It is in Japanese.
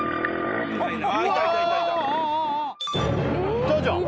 いたじゃん。